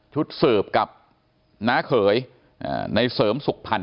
สืบกับน้าเขยในเสริมสุขพันธ